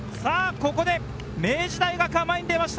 ここで明治大学が前に出ました。